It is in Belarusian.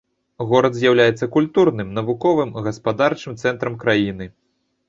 Горад з'яўляецца культурным, навуковым, гаспадарчым цэнтрам краіны.